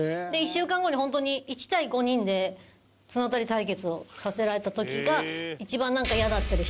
１週間後に本当に１対５人で綱渡り対決をさせられた時が一番なんかイヤだったね。